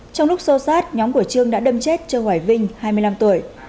trong lúc sâu sát nhóm của trương đã đâm chết châu hoài vinh hai mươi năm tuổi